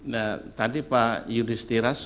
nah tadi pak yudi setira sempat